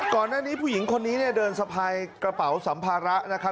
ก่อนหน้านี้ผู้หญิงคนนี้เดินสะพายกระเป๋าสัมภาระ